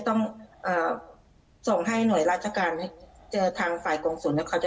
ต้องส่งให้หน่วยราชการเจอทางไปกับส่วนว่าเขาจะ